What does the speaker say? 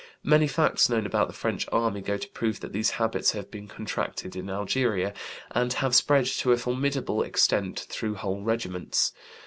Many facts known about the French army go to prove that these habits have been contracted in Algeria, and have spread to a formidable extent through whole regiments.